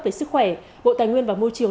về sức khỏe bộ tài nguyên và môi trường